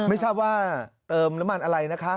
ไม่ชอบว่าเติมละมันอะไรนะคะ